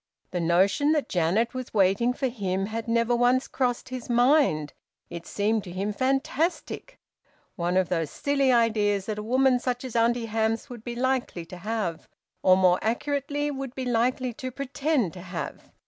The notion that Janet was waiting for him had never once crossed his mind. It seemed to him fantastic, one of those silly ideas that a woman such as Auntie Hamps would be likely to have, or more accurately would be likely to pretend to have.